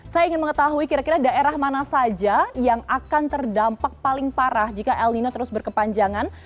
saya ingin mengetahui kira kira daerah mana saja yang akan terdampak paling parah jika el nino terus berkepanjangan